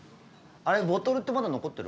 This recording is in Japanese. あれボトルってまだ残ってる？